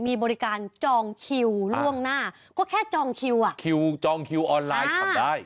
มีบริการจองคิวล่วงหน้าก็แค่จองคิวอ่ะคิวจองคิวออนไลน์ทำได้